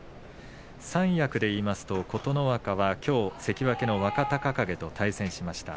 三役でいいますと琴ノ若はきょう関脇の若隆景と対戦しました。